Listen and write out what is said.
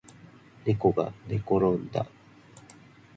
ねこがねころんだ